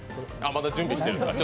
まだ準備してる。